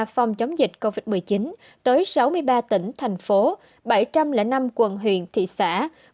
phòng chống dịch covid một mươi chín tới sáu mươi ba tỉnh thành phố bảy trăm linh năm quận huyện thị xã